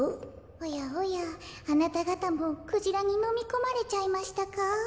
おやおやあなたがたもクジラにのみこまれちゃいましたか？